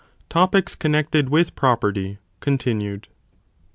Topres connected with Property continued.